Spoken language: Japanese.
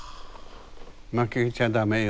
負けちゃダメよ。